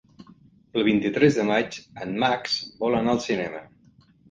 El vint-i-tres de maig en Max vol anar al cinema.